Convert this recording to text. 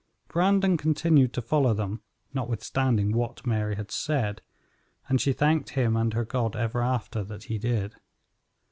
Brandon continued to follow them, notwithstanding what Mary had said, and she thanked him and her God ever after that he did.